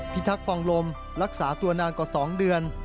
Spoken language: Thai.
ทักษองลมรักษาตัวนานกว่า๒เดือน